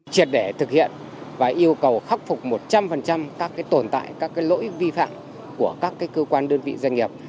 triệt để thực hiện và yêu cầu khắc phục một trăm linh các tồn tại các lỗi vi phạm của các cơ quan đơn vị doanh nghiệp